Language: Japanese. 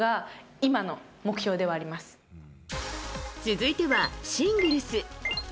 続いてはシングルス。